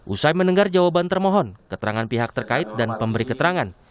usai mendengar jawaban termohon keterangan pihak terkait dan pemberi keterangan